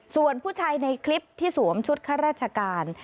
ส่วนผู้ชายในคลิปที่สวมชุดข้าราชการ